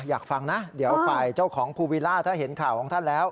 อยากฟังนะเดี๋ยวฝ่ายเจ้าของภูวิล่าถ้าเห็นข่าวของท่านแล้ว